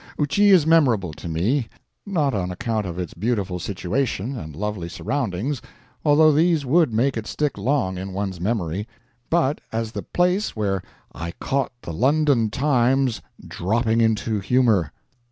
Ouchy is memorable to me, not on account of its beautiful situation and lovely surroundings although these would make it stick long in one's memory but as the place where I caught the London TIMES dropping into humor.